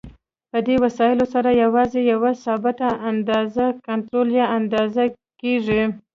په دې وسایلو سره یوازې یوه ثابته اندازه کنټرول یا اندازه کېږي.